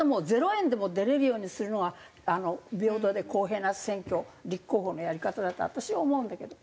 ０円でも出れるようにするのが平等で公平な選挙立候補のやり方だと私は思うんだけど。